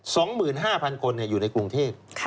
สองหมื่นห้าพันคนอยู่ในกรุงเทพค่ะ